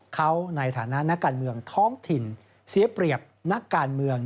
เขาในฐานะนักการเมืองท้องถิ่นเสียเปรียบนักการเมือง